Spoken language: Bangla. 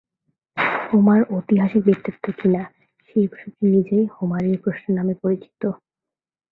হোমার ঐতিহাসিক ব্যক্তিত্ব কিনা, সেই প্রশ্নটি নিজেই "হোমারীয় প্রশ্ন" নামে পরিচিত।